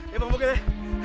ya bang boke deh